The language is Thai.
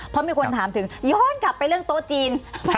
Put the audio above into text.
เพราะมีคนถามถึงย้อนกลับไปเรื่องโต๊ะจีน